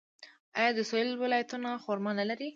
آیا د سویل ولایتونه خرما نلري؟